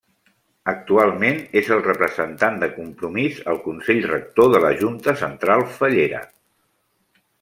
Actualment és el representant de Compromís al Consell Rector de la Junta Central Fallera.